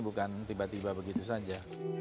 bukan tiba tiba begitu saja